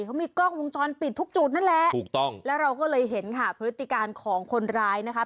เขามีกล้องวงจรปิดทุกจุดนั่นแหละถูกต้องแล้วเราก็เลยเห็นค่ะพฤติการของคนร้ายนะคะ